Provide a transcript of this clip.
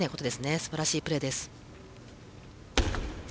すばらしいプレーです。